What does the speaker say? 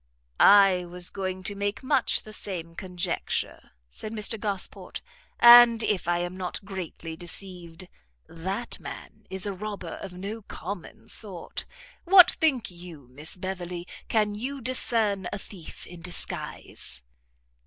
"I was going to make much the same conjecture," said Mr Gosport, "and, if I am not greatly deceived, that man is a robber of no common sort. What think you, Miss Beverley, can you discern a thief in disguise?"